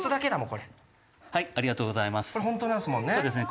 これ本当なんすもんね？